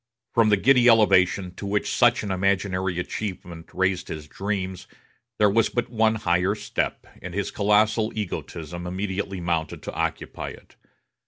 From the giddy elevation to which such an imaginary achievement raised his dreams, there was but one higher step, and his colossal egotism immediately mounted to occupy it.